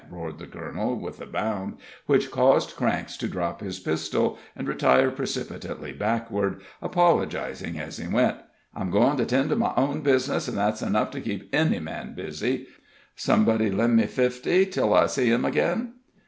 roared the colonel, with a bound, which caused Cranks to drop his pistol, and retire precipitately backward, apologizing as he went. "I'm goin' to tend to my own bizness, and that's enough to keep any man busy. Somebody lend me fifty, till I see him again?"